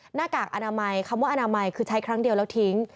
หน้ากากอนามัยคำว่าอนามัยคือใช้ครั้งเดียวแล้วทิ้ง